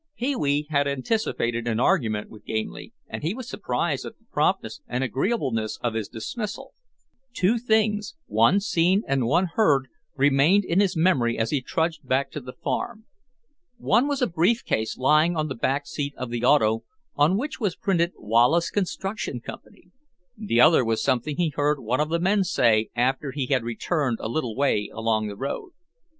Pee wee had anticipated an argument with Gamely and he was surprised at the promptness and agreeableness of his dismissal. Two things, one seen and one heard, remained in his memory as he trudged back to the farm. One was a brief case lying on the back seat of the auto on which was printed WALLACE CONSTRUCTION CO. The other was something he heard one of the men say after he had returned a little way along the road.